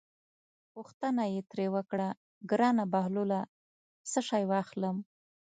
پوښتنه یې ترې وکړه: ګرانه بهلوله څه شی واخلم.